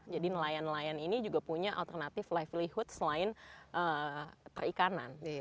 jadi nelayan nelayan ini juga punya alternatif livelihood selain perikanan